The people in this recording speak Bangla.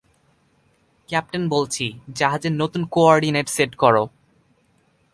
ক্যাপ্টেন বলছি, জাহাজের নতুন কো-অর্ডিনেট সেট করো।